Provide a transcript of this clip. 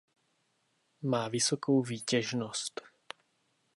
Má vysokou výtěžnost.